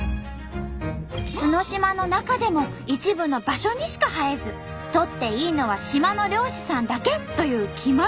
角島の中でも一部の場所にしか生えず採っていいのは島の漁師さんだけという決まりまであるんと！